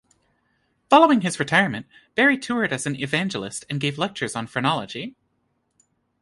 Following his retirement, Berry toured as an evangelist and gave lectures on phrenology.